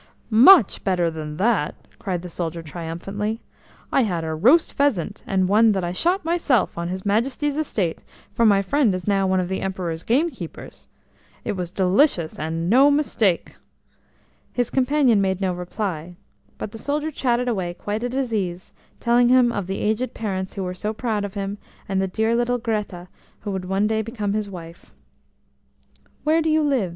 "Much better than that!" cried the soldier triumphantly. "I had a roast pheasant, and one that I shot myself on his Majesty's estate, for my friend is now one of the Emperor's gamekeepers. It was delicious, and no mistake." His companion made no reply, but the soldier chatted away quite at his ease, telling him of the aged parents who were so proud of him, and the dear little "Greta" who would one day become his wife. "Where do you live?"